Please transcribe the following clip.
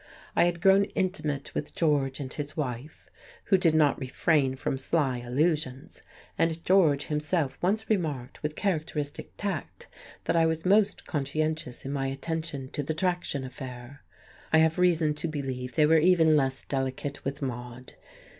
I had grown intimate with George and his wife, who did not refrain from sly allusions; and George himself once remarked, with characteristic tact, that I was most conscientious in my attention to the traction affair; I have reason to believe they were even less delicate with Maude.